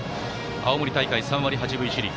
青森大会は３割８分１厘。